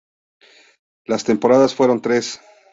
Las temporadas fueron tres.